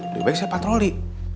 lebih baik saya patroli